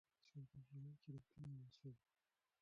په سوداګرۍ کې رښتیني اوسئ.